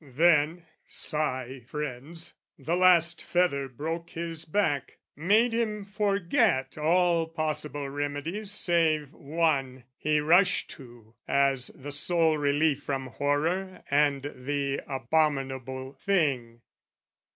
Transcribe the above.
"Then," sigh friends, "the last feather broke his back, "Made him forget all possible remedies "Save one he rushed to, as the sole relief "From horror and the abominable thing."